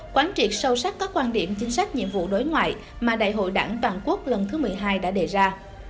quán triệt sâu sắc các quan điểm chính sách nhiệm vụ đối ngoại mà đại hội đảng toàn quốc lần thứ một mươi hai đã đề ra